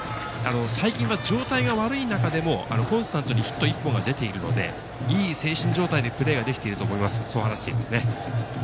最近は状態が悪い中でもコンスタントにヒット１本は出ているので、いい精神状態でプレーができていると思いますと話しています。